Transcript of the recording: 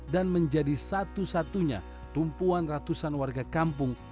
dan menjadi satu satunya tumpuan ratusan warga kampung